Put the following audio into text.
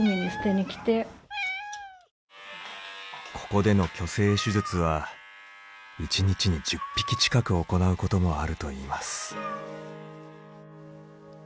ここでの去勢手術は一日に１０匹近く行うこともあるといいます。